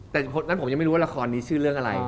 แต่นั้นผมยังไม่รู้ว่าละครนี้ชื่อเรื่องอะไร